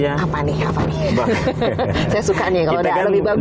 apa nih apa nih saya suka nih kalau udah lebih bagusnya